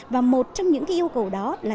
và một trong những yêu cầu đó là